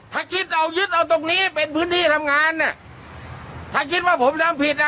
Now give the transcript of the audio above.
ถ้าคิดเอายึดเอาตรงนี้เป็นพื้นที่ทำงานน่ะถ้าคิดว่าผมทำผิดอ่ะ